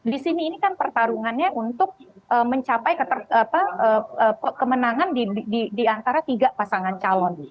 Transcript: di sini ini kan pertarungannya untuk mencapai kemenangan di antara tiga pasangan calon